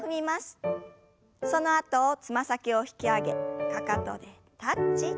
そのあとつま先を引き上げかかとでタッチ。